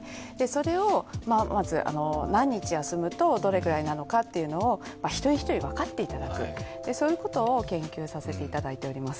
それをまず何日休むとどれぐらいなのかというのを一人一人分かっていただくそういうことを研究させていただいています。